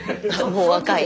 もう赤い。